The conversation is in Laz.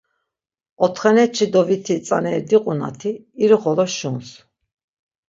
Otxoneçidoviti tzaneri diqu nati irixolo şuns.